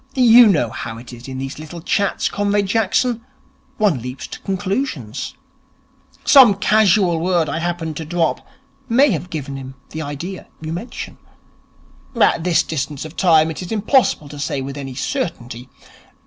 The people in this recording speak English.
You know how it is in these little chats, Comrade Jackson. One leaps to conclusions. Some casual word I happened to drop may have given him the idea you mention. At this distance of time it is impossible to say with any certainty.